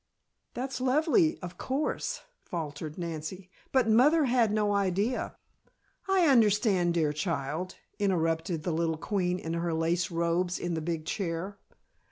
"That's lovely, of course," faltered Nancy, "but mother had no idea " "I understand, dear child," interrupted the little queen in her lace robes in the big chair.